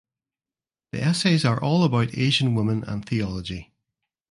The essays are all about Asian woman and theology.